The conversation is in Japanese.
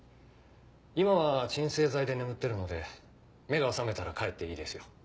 今は鎮静剤で眠ってるので目が覚めたら帰っていいですよ。